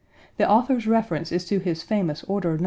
The author's reference is to his famous "Order No.